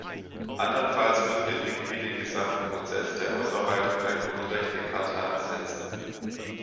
Andernfalls würden wir irgendwie den gesamten Prozess der Ausarbeitung der Grundrechtecharta ersetzen.